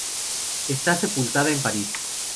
Está sepultada en París.